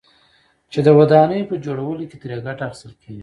چې د ودانيو په جوړولو كې ترې گټه اخيستل كېږي،